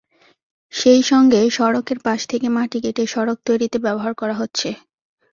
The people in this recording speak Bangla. সেই সঙ্গে সড়কের পাশ থেকে মাটি কেটে সড়ক তৈরিতে ব্যবহার করা হচ্ছে।